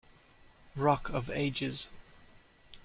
Rock of ages.